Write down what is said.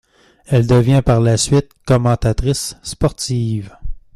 Elle devient par la suite commentatrice sportive.